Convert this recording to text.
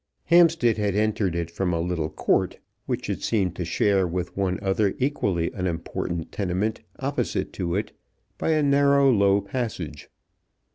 Hampstead had entered it from a little court, which it seemed to share with one other equally unimportant tenement opposite to it, by a narrow low passage.